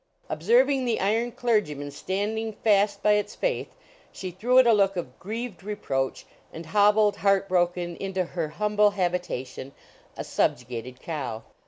Observing the iron clergyman standing fast by its faith, she threw it a look of grieved reproach and hobbled heart broken into her humble habitation, a subjugated cow.